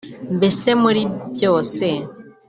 mbese muri byose